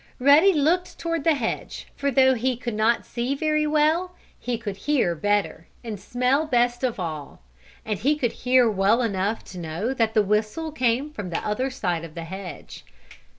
Ruddy looked toward the hedge, for though he could not see very well he could hear better, and smell best of all. And he could hear well enough to know that the whistle came from the other side of the hedge.